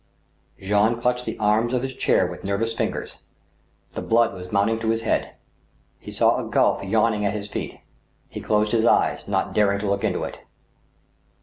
Jean clutched the arms of his chair with nervous fingers. The blood was mounting to his head. He saw a g^lf yawning at his feet. He closed his eyes, not daring to look into it.